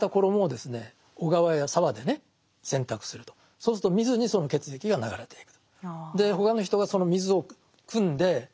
そうすると水にその血液が流れていく。